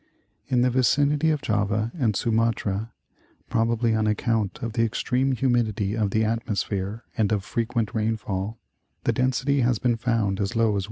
In the vicinity of Java and Sumatra, probably on account of the extreme humidity of the atmosphere and of frequent rainfall, the density has been found as low as 1.